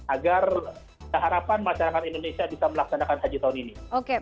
agar harapan masyarakat indonesia bisa melaksanakan haji tahun ini